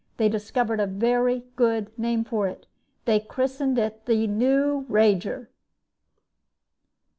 They discovered a very good name for it they christened it the 'New rager!'"